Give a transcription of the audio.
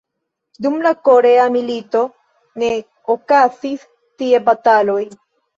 Dum la Korea milito ne okazis tie bataloj.